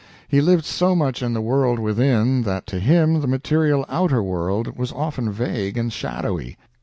He lived so much in the world within that to him the material outer world was often vague and shadowy.